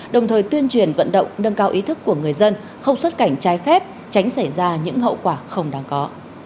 đồng thời tuyên truyền vận động nâng cao ý thức của người dân không xuất cảnh trái phép tránh xảy ra những hậu quả không đáng có